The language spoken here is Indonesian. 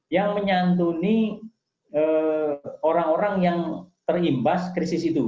yang menyantuni orang orang yang terimbas krisis itu